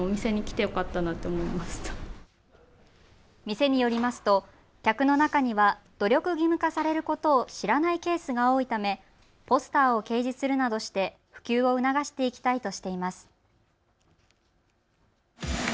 店によりますと客の中には努力義務化されることを知らないケースが多いためポスターを掲示するなどして普及を促していきたいとしています。